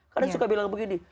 kadang suka bilang begini